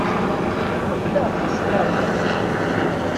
Qebleɣ acqirrew-a!